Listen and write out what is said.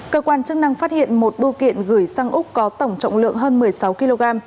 cơ quan chức năng phát hiện một bưu kiện gửi sang úc có tổng trọng lượng hơn một mươi sáu kg